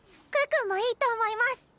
可可もいいと思います！